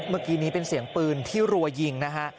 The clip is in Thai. เมื่อกี้นี้เป็นเสียงปืนที่รัวยิงนะฮะ